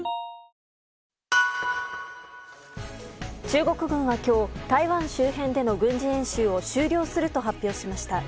中国軍は今日台湾周辺での軍事演習を終了すると発表しました。